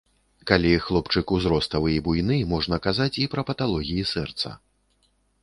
Калі хлопчык узроставы і буйны, можна казаць і пра паталогіі сэрца.